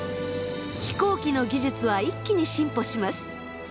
飛行機の技術は一気に進歩します。